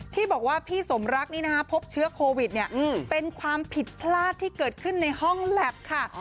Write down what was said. ที่บอกว่าพี่สมรักนี้นะคะพบเชื้อโควิดเนี่ยเป็นความผิดพลาดที่เกิดขึ้นในห้องแล็บค่ะ